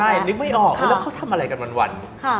ใช่นึกไม่ออกแล้วเขาทำอะไรกันวัน